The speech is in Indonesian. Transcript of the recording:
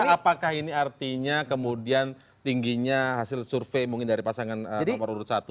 apakah ini artinya kemudian tingginya hasil survei mungkin dari pasangan nomor urut satu